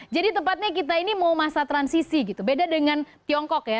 jadi tepatnya kita ini mau masa transisi gitu beda dengan tiongkok ya